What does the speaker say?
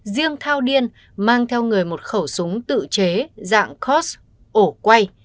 riêng thao điên mang theo người một khẩu súng tự chế dạng coss ổ quay